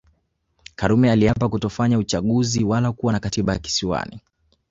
Karume aliapa kutofanya uchaguzi wala kuwa na Katiba Kisiwani